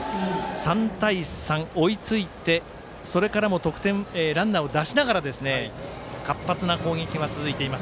３対３、追いついてそれからもランナーを出しながら活発な攻撃が続いています